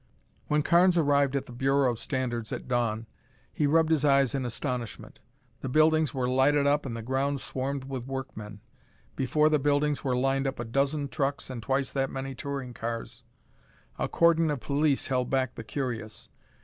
When Carnes arrived at the Bureau of Standards at dawn be rubbed his eyes in astonishment. The buildings were lighted up and the grounds swarmed with workmen. Before the buildings were lined up a dozen trucks and twice that many touring cars. A cordon of police held back the curious.